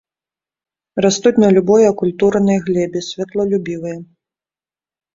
Растуць на любой акультуранай глебе, святлолюбівыя.